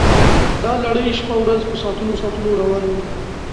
دا لړۍ شپه ورځ په ساعتونو ساعتونو روانه وي